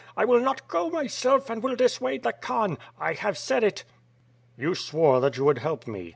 I will not go myself and will dissuade the Khan. I have said it." "You swore that you would help me!"